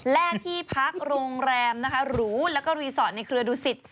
แรกที่พักโรงแรมนะคะหรูแล้วก็รีสอร์ทในเครือดูสิต